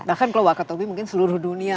bahkan kalau wakat obi mungkin seluruh dunia ya